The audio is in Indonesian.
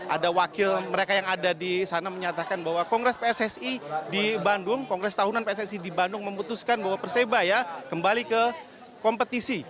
ada wakil mereka yang ada di sana menyatakan bahwa kongres pssi di bandung kongres tahunan pssi di bandung memutuskan bahwa persebaya kembali ke kompetisi